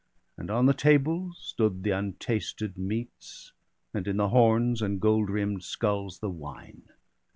And on the tables stood the untasted meats. And in the horns and gold rimm'd sculls the wine.